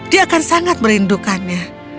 dia akan sangat merindukannya